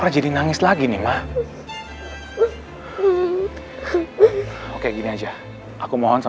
sampai jumpa di video selanjutnya